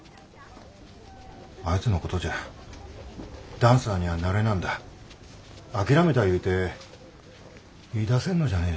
あいつのことじゃダンサーにゃあなれなんだ諦めたいうて言い出せんのじゃねえ